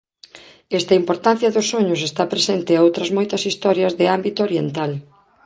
Esta importancia dos soños está presente a outras moitas historias de ámbito oriental.